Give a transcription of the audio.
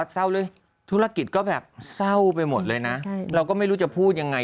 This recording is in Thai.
ไปฟังอีกเรื่องนี้